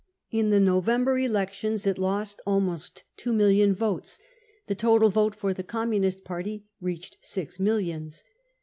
In the November elections it lost alfnost two million votes. The total vote for the Communist Party reached six millions.